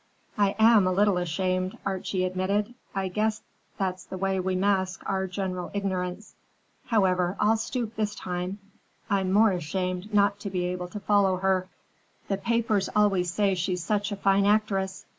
"I am a little ashamed," Archie admitted. "I guess that's the way we mask our general ignorance. However, I'll stoop this time; I'm more ashamed not to be able to follow her. The papers always say she's such a fine actress."